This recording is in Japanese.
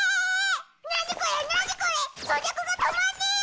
何これ⁉何これ⁉咀嚼が止まんねぇよ！